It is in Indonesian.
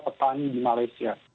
yang untung adalah